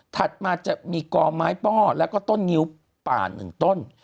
ถัดมาจะมีก่อไม้ป้อแล้วก็ต้นนิ้วป่านหนึ่งต้น